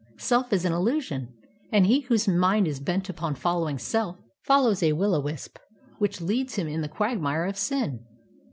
Self is an illusion, and he whose mind is bent upon following self, follows a will o' the wisp which leads him into the quagmire of sin.